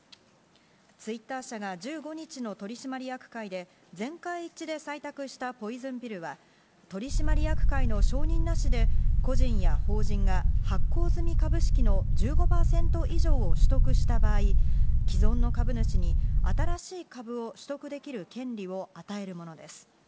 Ｔｗｉｔｔｅｒ社が１５日の取締役会で、全会一致で採択したポイズンピルは、取締役会の承認なしで個人や法人が発行済み株式の１５％以上を取得した場合、既存の株主に新しい株を取得できる権利を与えるものです。